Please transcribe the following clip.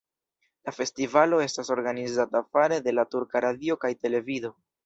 La festivalo estas organizata fare de la Turka Radio kaj Televido.